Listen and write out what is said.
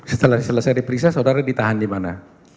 setelah saya diperiksa saudara ditahan dimana